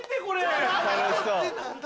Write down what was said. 楽しそう。